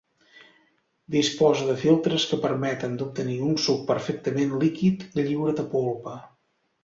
Disposa de filtres que permeten d'obtenir un suc perfectament líquid, lliure de polpa.